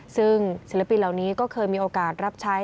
ซึ่งศิลปินเหล่านี้ก็เคยมีโอกาสรับใช้